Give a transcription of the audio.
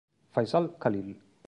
Faisal Khalil